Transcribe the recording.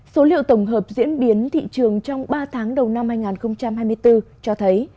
số liệu tổng hợp diễn biến thị trường trong ba tháng đầu năm hai nghìn hai mươi bốn cho thấy